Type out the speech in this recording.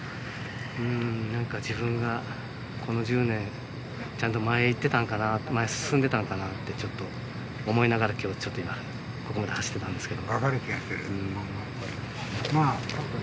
なんか自分がこの１０年、ちゃんと前行ってたんかなって、前進んでたんかなってちょっと思いながら、きょうちょっとここまで走ってたんですけど。